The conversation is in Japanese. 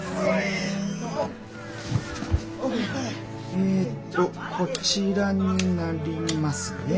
えっとこちらになりますね。